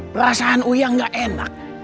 perasaan uyang gak enak